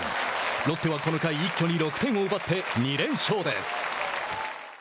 ロッテはこの回一挙に６点を奪って２連勝です。